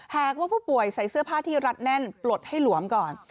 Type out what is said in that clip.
หากว่าผู้ป่วยใส่เสื้อผ้าที่รัดแน่นปลดให้หลวมก่อน